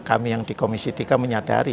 kami yang di komisi tiga menyadari